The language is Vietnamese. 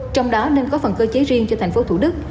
trong đó nên có phần cơ chế riêng cho tp thủ đức